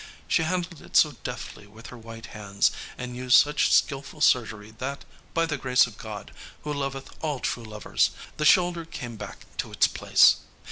She handled it so deftly with her white hands, and used such skillful surgery that, by the grace of God, who loveth all true lovers, the shoulder came back to its place.